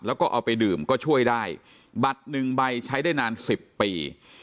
แล้วก็เอาไปดื่มก็ช่วยได้บัตรหนึ่งใบใช้ได้นานสิบปี